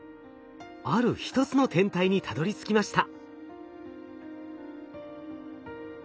ある１つの天体にたどりつきました。